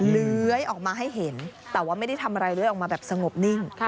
เลื้อยออกมาให้เห็นแต่ว่าไม่ได้ทำอะไรเลื้อยออกมาแบบสงบนิ่ง